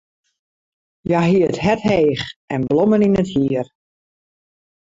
Hja hie it hert heech en blommen yn it hier.